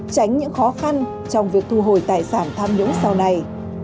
tránh những khó khăn trong việc thu hồi tài sản tham nhũng sau này